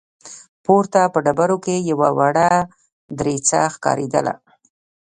پورته په ډبرو کې يوه وړه دريڅه ښکارېدله.